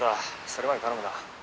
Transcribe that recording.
それまで頼むな」